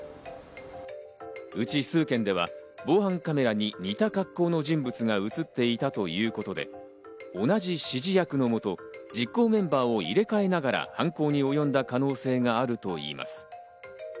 うち数件では防犯カメラに似た格好の人物が映っていたということで、同じ指示役の下、実行メンバーを入れ替えながら犯行におよんだ可能性があるといいます。